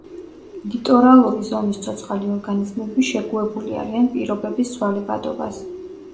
ლიტორალური ზონის ცოცხალი ორგანიზმები შეგუებული არიან პირობების ცვალებადობას.